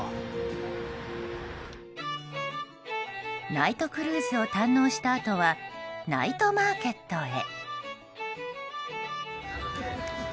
ナイトクルーズを堪能したあとはナイトマーケットへ。